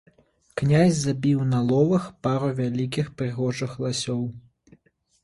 Князь забіў на ловах пару вялікіх прыгожых ласёў.